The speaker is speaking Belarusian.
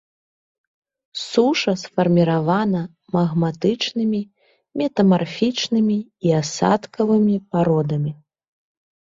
Суша сфарміравана магматычнымі, метамарфічнымі і асадкавымі пародамі.